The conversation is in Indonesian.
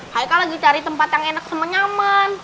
haika lagi cari tempat yang enak sama nyaman